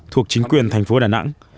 thuộc chính quyền thành phố đà nẵng